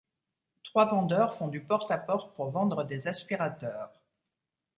Trois vendeurs font du porte-à-porte pour vendre des aspirateurs.